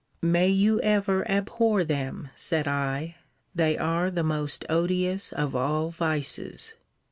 May you ever abhor them, said I. They are the most odious of all vices.